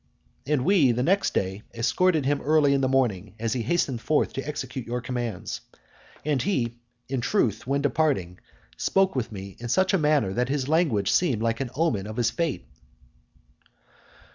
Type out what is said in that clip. And we the next day escorted him early in the morning as he hastened forth to execute your commands. And he, in truth, when departing, spoke with me in such a manner that his language seemed like an omen of his fate.